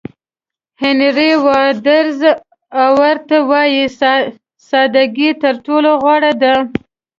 هېنري واډز اورت وایي ساده ګي تر ټولو غوره ده.